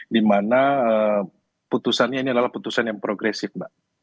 dimana putusannya ini adalah putusan yang progresif mbak